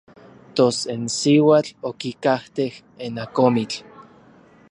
Tos n siuatl okikajtej n akomitl.